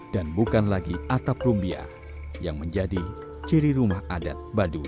dan bukan lagi atap rumbia yang menjadi ciri rumah adat baduy